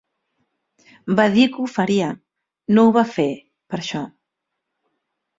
Va dir que ho faria: no ho va fer, per això.